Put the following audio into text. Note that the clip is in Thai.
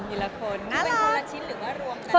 เป็นคนละชิ้นหรือว่ารวมกัน